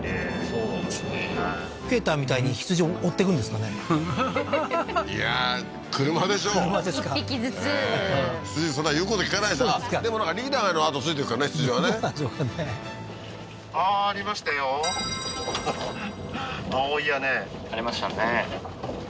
そうですねペーターみたいに羊追ってくんですかねははははっいや車でしょ車ですか１匹ずつ羊そんな言うこと聞かないでしょあっでもなんかリーダーのあとついていくからね羊はねどうなんでしょうかねありましたね